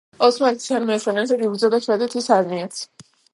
ოსმალეთის არმიასთან ერთად, იბრძოდა შვედეთის არმიაც.